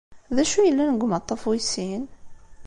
D acu yellan deg umaṭṭaf wis sin?